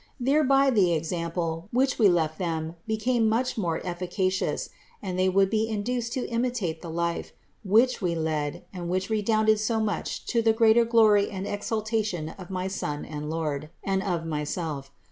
Thereby the example, which we left them became much more efficacious and they would be induced to imitate the life, which we led and which redounded so much to the greater glory and exaltation of my Son and Lord, and of myself.